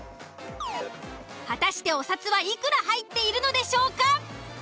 果たしてお札はいくら入っているのでしょうか？